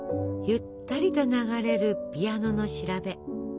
ゆったりと流れるピアノの調べ。